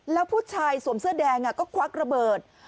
แล้วผู้ชายสวมเสื้อแดงก็ควักระเบิด